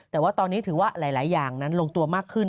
แต่ว่าตอนนี้ถือว่าหลายอย่างนั้นลงตัวมากขึ้น